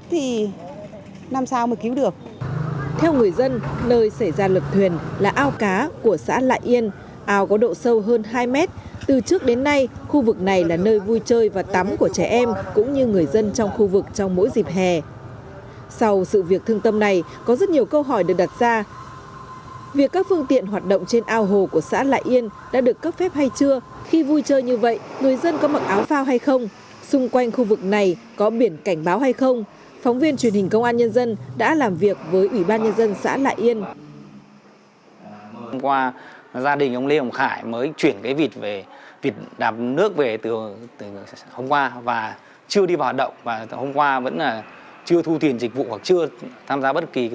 hoặc chưa tham gia bất kỳ thu tiền dịch vụ hoặc là triển khai